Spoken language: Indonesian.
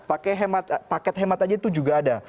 pakai paket hemat aja itu juga ada